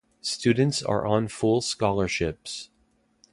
Students are on full scholarships.